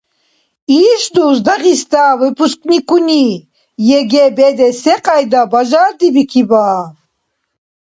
Ишдус Дагъиста выпускникуни ЕГЭ бедес секьяйда бажардибикиба?